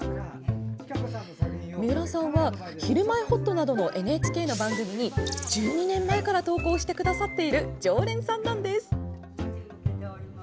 三浦さんは「ひるまえほっと」などのＮＨＫの番組に１２年前から投稿してくださっている常連さんなんです。